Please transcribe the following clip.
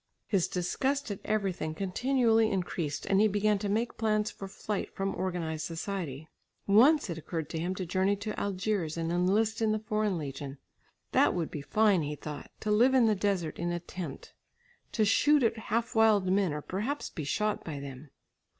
His disgust at everything continually increased and he began to make plans for flight from organised society. Once it occurred to him to journey to Algiers and enlist in the Foreign Legion. That would be fine he thought to live in the desert in a tent, to shoot at half wild men or perhaps be shot by them.